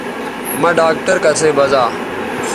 مہ ڈاکٹر کسئ بزا